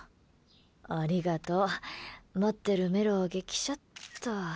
ありがとう待っているメロを激写っと。